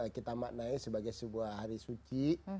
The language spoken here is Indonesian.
kita maknai sebagai sebuah hari suci